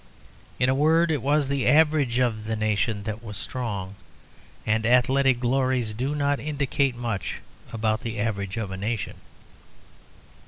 In a word, it was the average of the nation that was strong, and athletic glories do not indicate much about the average of a nation.